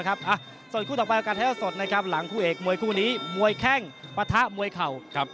ครับเรามาฟังประวัติของมวยคู่ที่สี่นะครับ